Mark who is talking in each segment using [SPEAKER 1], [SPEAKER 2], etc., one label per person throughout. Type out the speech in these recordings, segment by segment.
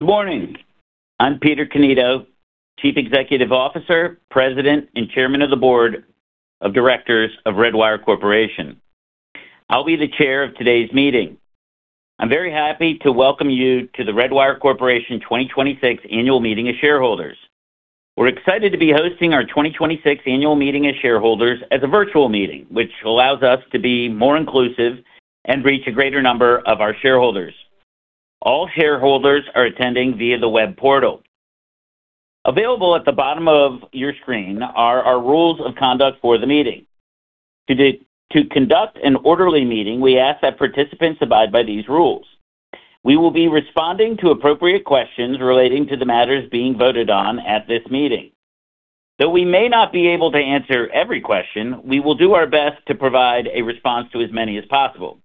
[SPEAKER 1] Good morning. I'm Peter Cannito, Chief Executive Officer, President, and Chairman of the Board of Directors of Redwire Corporation. I'll be the chair of today's meeting. I'm very happy to welcome you to the Redwire Corporation 2026 Annual Meeting of Shareholders. We're excited to be hosting our 2026 Annual Meeting of Shareholders as a virtual meeting, which allows us to be more inclusive and reach a greater number of our shareholders. All shareholders are attending via the web portal. Available at the bottom of your screen are our rules of conduct for the meeting. To conduct an orderly meeting, we ask that participants abide by these rules. We will be responding to appropriate questions relating to the matters being voted on at this meeting. Though we may not be able to answer every question, we will do our best to provide a response to as many as possible.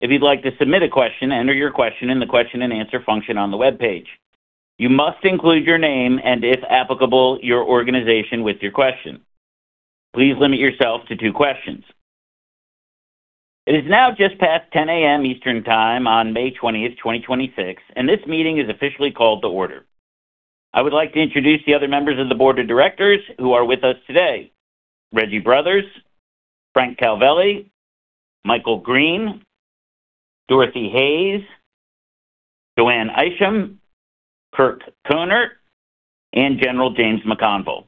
[SPEAKER 1] If you'd like to submit a question, enter your question in the question-and-answer function on the webpage. You must include your name and, if applicable, your organization with your question. Please limit yourself to two questions. It is now just past 10:00 AM Eastern Time on May 20th, 2026, and this meeting is officially called to order. I would like to introduce the other members of the board of directors who are with us today, Reggie Brothers, Frank Calvelli, Michael Greene, Dorothy Hayes, Joanne Isham, Kirk Konert, and General James McConville.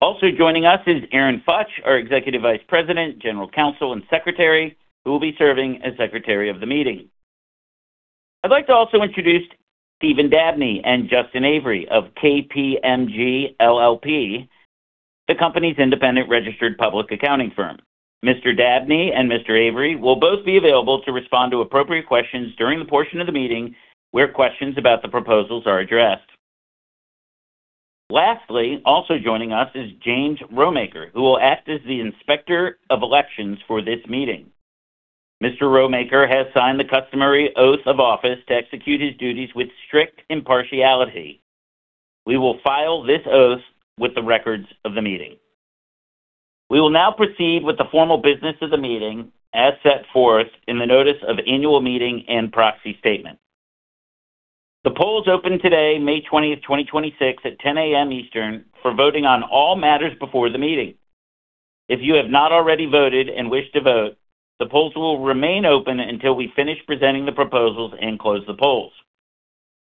[SPEAKER 1] Also joining us is Aaron Futch, our Executive Vice President, General Counsel, and Secretary, who will be serving as Secretary of the meeting. I'd like to also introduce Stephen Dabney and Justin Avery of KPMG LLP, the company's independent registered public accounting firm. Mr. Dabney and Mr. Avery will both be available to respond to appropriate questions during the portion of the meeting where questions about the proposals are addressed. Lastly, also joining us is James Romaker, who will act as the Inspector of Elections for this meeting. Mr. Rowemaker has signed the customary oath of office to execute his duties with strict impartiality. We will file this oath with the records of the meeting. We will now proceed with the formal business of the meeting as set forth in the notice of annual meeting and proxy statement. The polls opened today, May 20th, 2026, at 10:00 A.M. Eastern for voting on all matters before the meeting. If you have not already voted and wish to vote, the polls will remain open until we finish presenting the proposals and close the polls.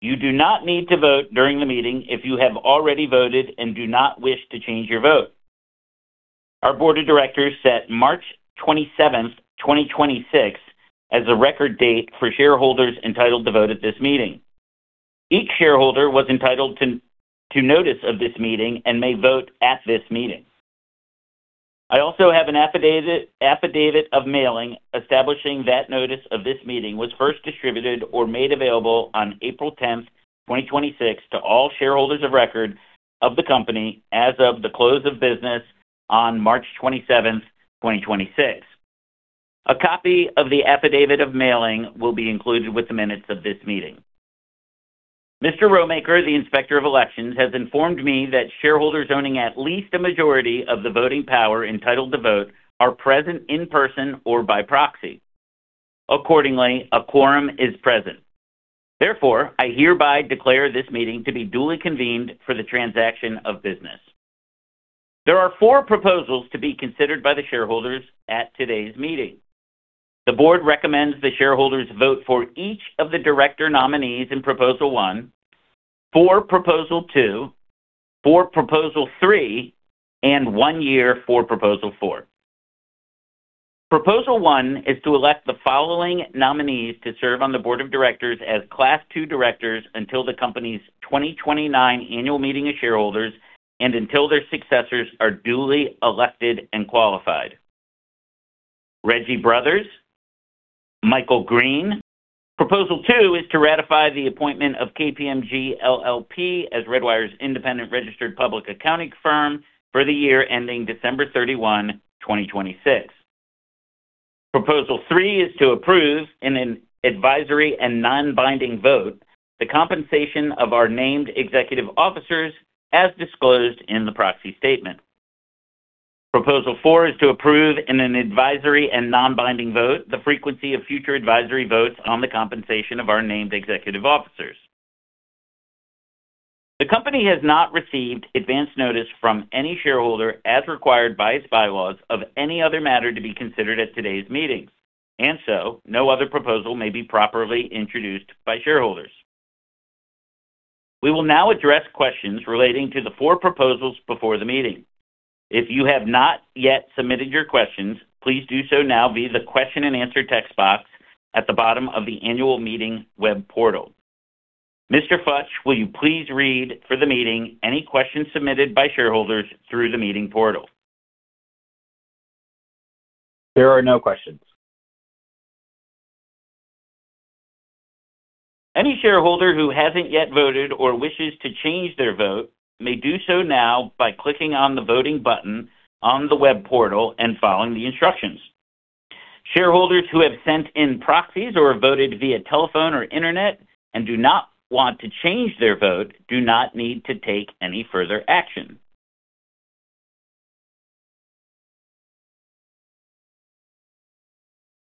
[SPEAKER 1] You do not need to vote during the meeting if you have already voted and do not wish to change your vote. Our board of directors set March 27th, 2026, as the record date for shareholders entitled to vote at this meeting. Each shareholder was entitled to notice of this meeting and may vote at this meeting. I also have an affidavit of mailing establishing that notice of this meeting was first distributed or made available on April 10th, 2026, to all shareholders of record of the company as of the close of business on March 27th, 2026. A copy of the affidavit of mailing will be included with the minutes of this meeting. Mr. Rowemaker, the Inspector of Elections, has informed me that shareholders owning at least a majority of the voting power entitled to vote are present in person or by proxy. Accordingly, a quorum is present. Therefore, I hereby declare this meeting to be duly convened for the transaction of business. There are four proposals to be considered by the shareholders at today's meeting. The board recommends the shareholders vote for each of the director nominees in proposal one, for proposal two, for proposal three, and one year for proposal four. Proposal one is to elect the following nominees to serve on the board of directors as Class II directors until the company's 2029 annual meeting of shareholders and until their successors are duly elected and qualified, Reggie Brothers, Michael Greene. Proposal two is to ratify the appointment of KPMG LLP as Redwire's independent registered public accounting firm for the year ending December 31, 2026. Proposal three is to approve, in an advisory and non-binding vote, the compensation of our named executive officers as disclosed in the proxy statement. Proposal four is to approve, in an advisory and non-binding vote, the frequency of future advisory votes on the compensation of our named executive officers. The company has not received advance notice from any shareholder, as required by its bylaws, of any other matter to be considered at today's meeting. No other proposal may be properly introduced by shareholders. We will now address questions relating to the four proposals before the meeting. If you have not yet submitted your questions, please do so now via the question-and-answer text box at the bottom of the annual meeting web portal. Mr. Futch, will you please read for the meeting any questions submitted by shareholders through the meeting portal?
[SPEAKER 2] There are no questions.
[SPEAKER 1] Any shareholder who hasn't yet voted or wishes to change their vote may do so now by clicking on the voting button on the web portal and following the instructions. Shareholders who have sent in proxies or voted via telephone or internet and do not want to change their vote do not need to take any further action.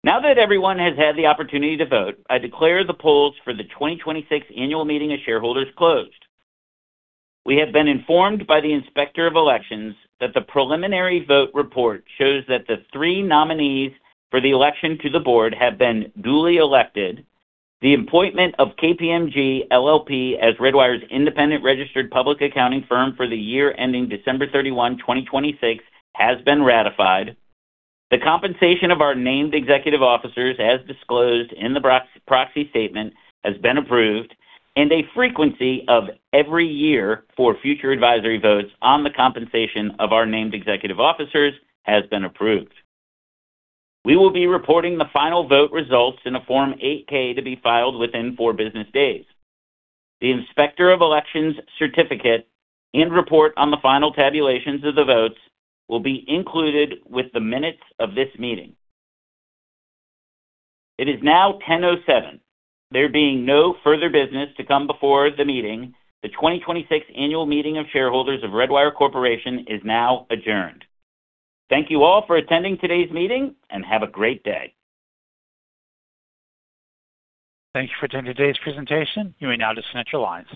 [SPEAKER 1] Now that everyone has had the opportunity to vote, I declare the polls for the 2026 Annual Meeting of Shareholders closed. We have been informed by the Inspector of Elections that the preliminary vote report shows that the three nominees for the election to the board have been duly elected, the appointment of KPMG LLP as Redwire's independent registered public accounting firm for the year ending December 31, 2026, has been ratified, the compensation of our named executive officers, as disclosed in the proxy statement, has been approved, and a frequency of every year for future advisory votes on the compensation of our named executive officers has been approved. We will be reporting the final vote results in a Form 8-K to be filed within four business days. The Inspector of Elections certificate and report on the final tabulations of the votes will be included with the minutes of this meeting. It is now 10:07 A.M. There being no further business to come before the meeting, the 2026 Annual Meeting of Shareholders of Redwire Corporation is now adjourned. Thank you all for attending today's meeting, and have a great day.
[SPEAKER 3] Thank you for attending today's presentation. You may now disconnect your lines.